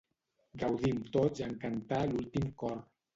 Gaudim tots en cantar l'últim cor.